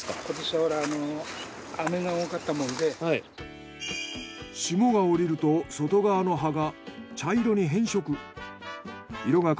今年霜が降りると外側の葉が茶色に変色。